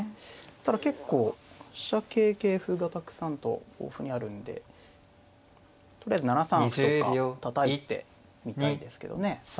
ただ結構飛車桂桂歩がたくさんと豊富にあるんでとりあえず７三歩とかたたいてみたいですけどね。